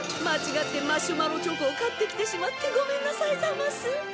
間違ってマシュマロチョコを買ってきてしまってごめんなさいざます。